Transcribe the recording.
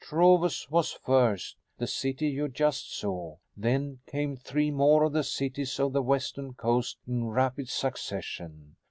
"Trovus was first the city you just saw then came three more of the cities of the western coast in rapid succession.